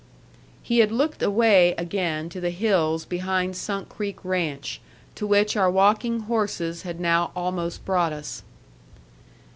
He had looked away again to the hills behind Sunk Creek ranch, to which our walking horses had now almost brought us.